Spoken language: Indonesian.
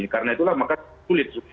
ada orang yang tetap men samnat untuk tangani